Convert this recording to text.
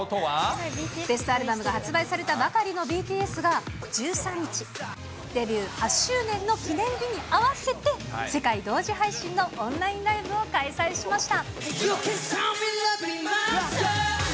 ベストアルバムが発売されたばかりのＢＴＳが、１３日、デビュー８周年の記念日に合わせて、世界同時配信のオンラインライブを開催しました。